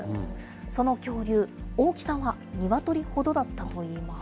その恐竜、大きさはニワトリほどだったといいます。